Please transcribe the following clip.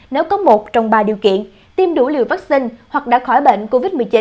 nếu có một trong ba điều kiện tiêm đủ liều vaccine hoặc đã khỏi bệnh covid một mươi chín